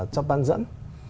chấp bản dẫn